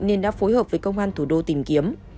nên đã phối hợp với công an thủ đô tìm kiếm